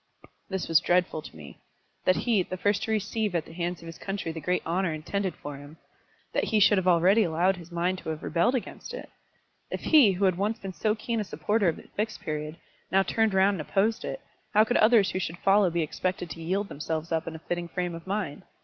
This was dreadful to me, that he, the first to receive at the hands of his country the great honour intended for him, that he should have already allowed his mind to have rebelled against it! If he, who had once been so keen a supporter of the Fixed Period, now turned round and opposed it, how could others who should follow be expected to yield themselves up in a fitting frame of mind?